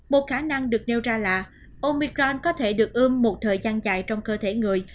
một khả năng được nêu ra là omicran có thể được ươm một thời gian dài trong cơ thể người